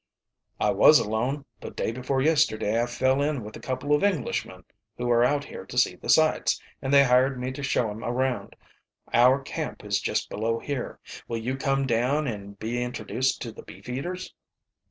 "I was alone, but day before yesterday I fell in with a couple of Englishmen who are out here to see the sights, and they hired me to show 'em around. Our camp is just below here. Will you come down an' be introduced to the beef eaters?"